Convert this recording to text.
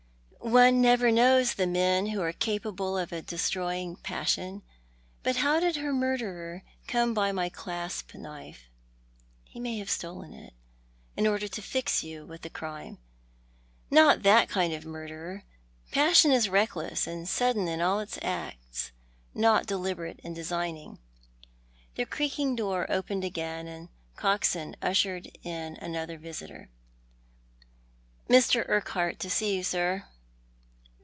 " One never knows the men who are capable of a destroying passion. But how did her murderer come by my clasp knife ?" "lie may have stolen it, in order to fix you wiih the crime." " Not that kind of murderer. Passion is reckless and suduea in all its acts — not deliberate and designing." The creaking door opened again, and Coxon ushered in another visitor. " Mr. Urquhart to see you, sir."